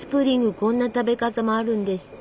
こんな食べ方もあるんですって。